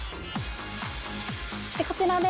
こちらで。